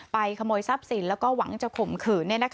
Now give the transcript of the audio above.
ขโมยทรัพย์สินแล้วก็หวังจะข่มขืน